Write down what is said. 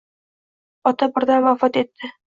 Ota birdan vafot etdi.